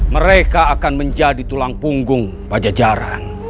mereka akan menjadi tulang punggung pajajaran